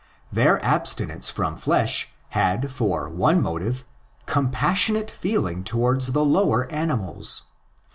Their abstinence from flesh had for one motive com passionate feeling towards the lower animals.